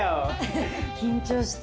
緊張した。